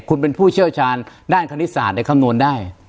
คุณเป็นผู้เชี่ยวชาญด้านคณิตศาสตร์คำนวณได้